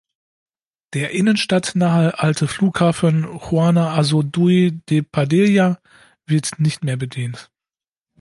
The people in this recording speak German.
Der innenstadtnahe alte Flughafen „Juana Azurduy de Padilla“ wird nicht mehr bedient.